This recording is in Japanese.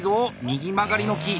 右曲がりの木！